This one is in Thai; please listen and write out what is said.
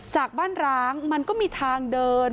จากบ้านร้างมันก็มีทางเดิน